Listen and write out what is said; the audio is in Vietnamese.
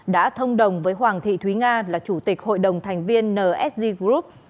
đã thông đồng với hoàng thị thúy nga là chủ tịch hội đồng thành viên nsg group